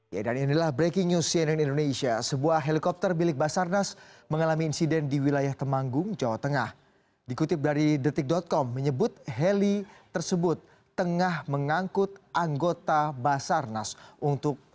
jangan lupa like share dan subscribe channel ini untuk dapat info terbaru